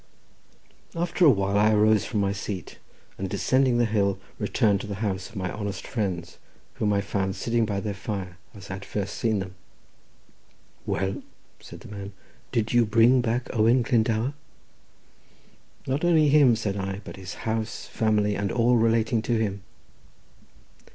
After a while I arose from my seat, and descending the hill, returned to the house of my honest friends, whom I found sitting by their fire, as I had first seen them. "Well," said the man, "did you bring back Owen Glendower?" "Not only him," said I, "but his house, family, and all relating to him."